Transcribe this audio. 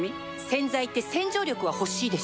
洗剤って洗浄力は欲しいでしょ